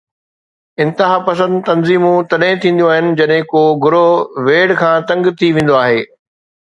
انتهاپسند تنظيمون تڏهن ٿينديون آهن جڏهن ڪو گروهه ويڙهه کان تنگ ٿي ويندو آهي.